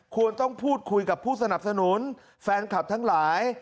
ควรต้องพูดคุยกับผู้สนับสนุนแฟนคลับทั้งหลาย